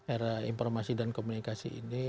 era informasi dan komunikasi ini